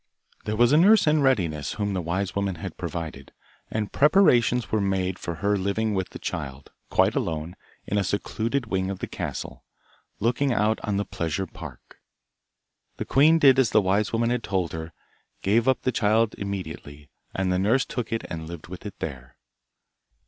There was a nurse in readiness, whom the wise woman had provided, and preparations were made for her living with the child, quite alone, in a secluded wing of the castle, looking out on the pleasure park. The queen did as the wise woman had told her; she gave up the child immediately, and the nurse took it and lived with it there.